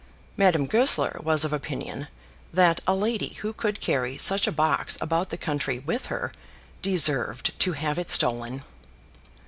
Madame Goesler was of opinion that a lady who could carry such a box about the country with her deserved to have it stolen.